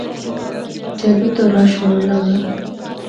جدّوں تو رش ہونڑ لگا۔